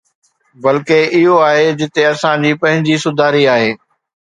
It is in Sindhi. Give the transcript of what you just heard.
بلڪه، اهو آهي جتي اسان جي پنهنجي سڌاري آهي.